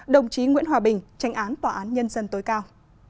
đồng chí nguyễn hòa bình tranh án tòa án nhân dân tối cao